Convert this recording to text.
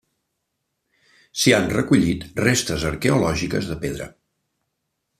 S'hi han recollit restes arqueològiques de pedra.